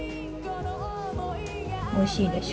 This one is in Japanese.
おいしいでしょ。